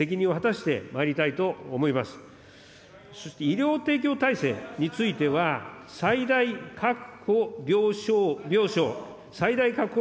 そして医療提供体制については、最大確保病床、最大確保